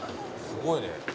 すごいね。